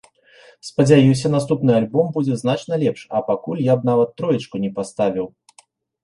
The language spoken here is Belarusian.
Спадзяюся, наступны альбом будзе значна лепш, а пакуль я б нават троечку не паставіў.